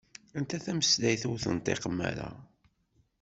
Anta tameslayt ur tenṭiqem-ara?